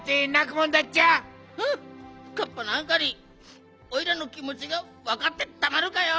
ふんっカッパなんかにおいらのきもちがわかってたまるかよ！